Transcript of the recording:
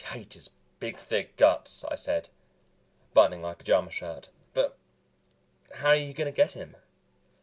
"I hate his big thick guts," I said, buttoning my pajama shirt, "but how are you going to get him?"